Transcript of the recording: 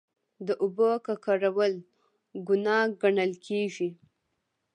د اوبو ککړول ګناه ګڼل کیږي.